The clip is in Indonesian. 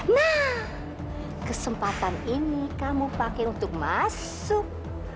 nah kesempatan ini kamu pakai untuk masuk